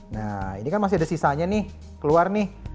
nah ini kan masih ada sisanya nih keluar nih